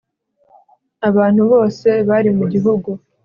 abantu bose bari mu gihugu